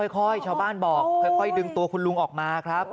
ชาวบ้านบอกค่อยดึงตัวคุณลุงออกมาครับ